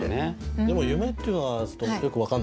でも「夢」っていうのはよく分かんなかったですね。